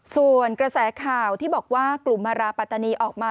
ส่วนกระแสข่าวที่บอกว่ากลุ่มมาราปัตตานีออกมา